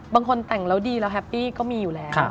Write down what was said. บางคนแต่งแล้วดีแล้วแฮปปี้ก็มีอยู่แล้ว